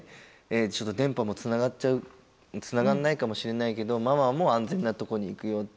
「ちょっと電波もつながんないかもしれないけどママも安全なとこに行くよ」って。